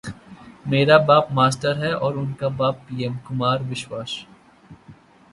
मेरा बाप मास्टर है और उनका बाप पीएम: कुमार विश्वास